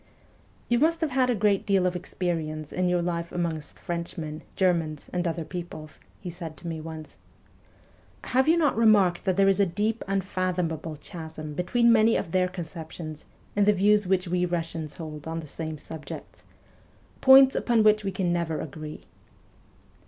' You must have had a great deal of experience in your life amongst Frenchmen, Germans, and other peoples,' he said to me once. ' Have you not remarked that there is a deep, unfathomable chasm between many of their conceptions and the views which we Russians hold on the same subjects points upon which we can never agree